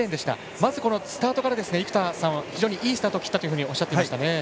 まずスタートから生田さんはいいスタートを切ったというふうにおっしゃっていましたね。